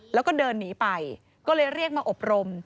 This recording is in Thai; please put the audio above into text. แล้วก็เดินหนีไปก็เลยเรียกมาอบรม